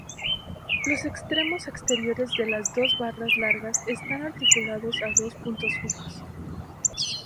Los extremos exteriores de las dos barras largas están articulados a dos puntos fijos.